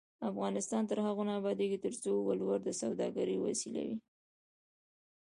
افغانستان تر هغو نه ابادیږي، ترڅو ولور د سوداګرۍ وسیله وي.